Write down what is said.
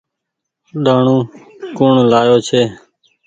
ڏآڻو ڪوڻ لآيو ڇي۔